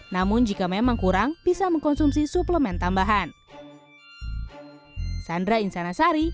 namun jika memang kurang bisa mengkonsumsi suplemen tambahan